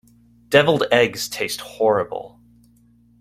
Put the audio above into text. Devilled eggs taste horrible.